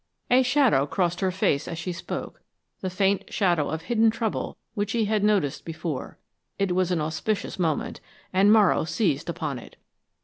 A shadow crossed her face as she spoke, the faint shadow of hidden trouble which he had noticed before. It was an auspicious moment, and Morrow seized upon it.